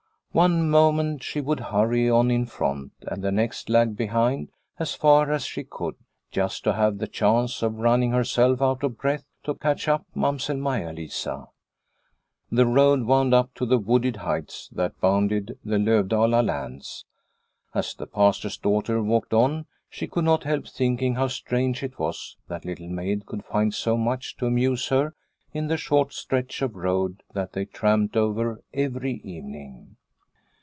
One moment she would hurry on in front, and the next lag behind as far as she could, just to have the chance of running herself out of breath to catch up Mamsell Maia Lisa. The road wound up to the wooded heights that bounded the Lovdala lands. As the Pastor's daughter walked on she could not help thinking how strange it was that Little Maid could find so much to amuse her in the short stretch of road that they tramped over every evening.